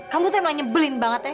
kamu emang nyebelin banget eh